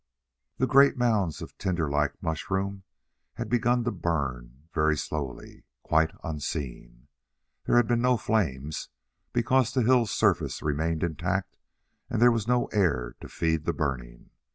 The great mounds of tinderlike mushroom had begun to burn very slowly, quite unseen. There had been no flames because the hills' surface remained intact and there was no air to feed the burning.